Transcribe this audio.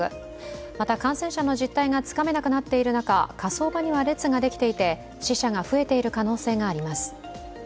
また感染者の実態がつかめなくなっている中、火葬場には列ができていて、死者が増えている可能性があります。